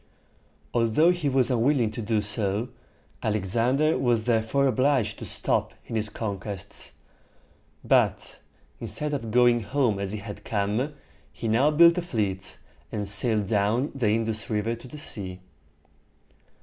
Although he was unwilling to do so, Alexander was therefore obliged to stop in his conquests; but, instead of going home as he had come, he now built a fleet, and sailed down the In´dus River to the sea.